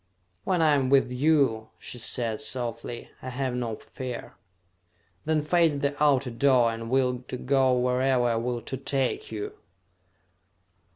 "When I am with you," she said softly, "I have no fear." "Then face the outer door, and will to go wherever I will to take you!"